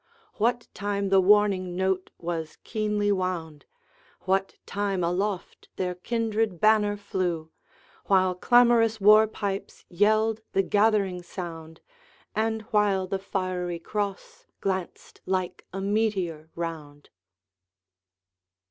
What time the warning note was keenly wound, What time aloft their kindred banner flew, While clamorous war pipes yelled the gathering sound, And while the Fiery Cross glanced like a meteor, round.